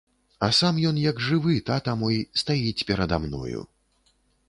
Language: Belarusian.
А сам ён як жывы, тата мой, стаіць перада мною.